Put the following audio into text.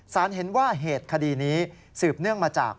เห็นว่าเหตุคดีนี้สืบเนื่องมาจาก